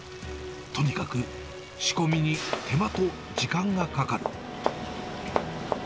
とにかく仕込みに手間と時間がかかる。